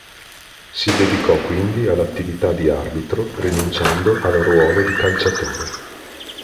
Si dedicò quindi all'attività di arbitro, rinunciando al ruolo di calciatore.